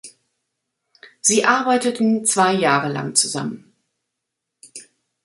Sie arbeiteten zwei Jahre lang zusammen.